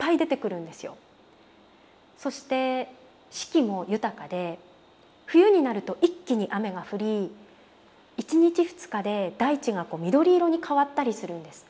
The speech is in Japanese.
そして四季も豊かで冬になると一気に雨が降り１日２日で大地が緑色に変わったりするんです。